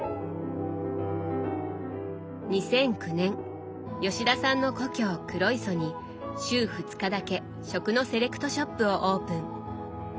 ２００９年吉田さんの故郷黒磯に週２日だけ食のセレクトショップをオープン。